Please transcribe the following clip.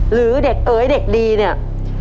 หรือเด็กเอ๋ยเด็กดีเนี่ย